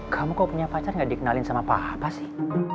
kamu kok punya pacar gak dikenalin sama papa sih